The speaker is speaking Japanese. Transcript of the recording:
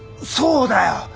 そうだよ。